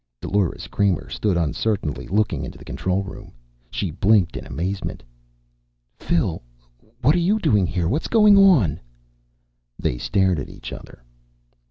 Dolores Kramer stood uncertainly, looking into the control room. She blinked in amazement. "Phil! What are you doing here? What's going on?" They stared at each other.